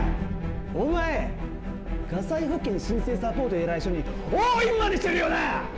お前、火災保険申請サポート依頼書に押印までしてるよな！